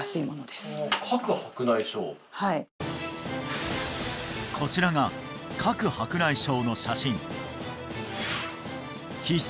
はいこちらが核白内障の写真皮質